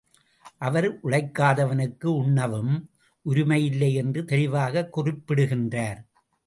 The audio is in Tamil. அவர் உழைக்காதவனுக்கு உண்ணவும் உரிமையில்லை என்று தெளிவாகக் குறிப்பிடுகின்றார்.